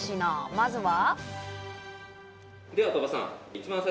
まずは。